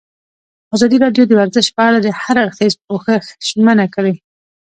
ازادي راډیو د ورزش په اړه د هر اړخیز پوښښ ژمنه کړې.